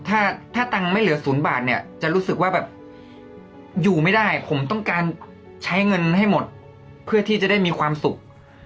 ถ้าถ้าตังค์ไม่เหลือ๐บาทเนี่ยจะรู้สึกว่าแบบอยู่ไม่ได้ผมต้องการใช้เงินให้หมดเพื่อที่จะได้มีความสุข